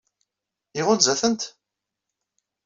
Iɣunza-tent?